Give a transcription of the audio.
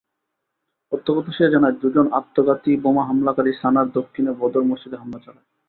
প্রত্যক্ষদর্শীরা জানায়, দুজন আত্মঘাতী বোমা হামলাকারী সানার দক্ষিণে বদর মসজিদে হামলা চালায়।